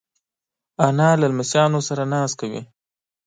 انا له لمسیو سره ناز کوي